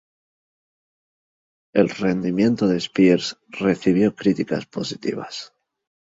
El rendimiento de Spears recibió críticas positivas.